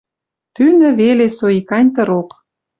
Тӱнӹ веле со икань тырок.